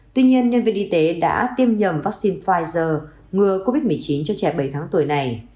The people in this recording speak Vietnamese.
tuy nhiên nhân viên y tế đã tiêm nhầm vaccine pfizer ngừa covid một mươi chín cho trẻ bảy tháng tuổi này